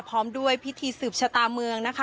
พร้อมด้วยพิธีสืบชะตาเมืองนะคะ